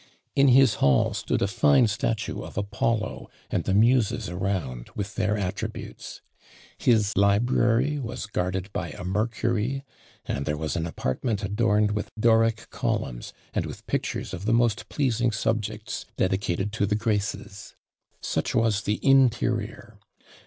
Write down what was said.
In his hall stood a fine statue of Apollo, and the Muses around, with their attributes. His library was guarded by a Mercury, and there was an apartment adorned with Doric columns, and with pictures of the most pleasing subjects dedicated to the Graces! Such was the interior!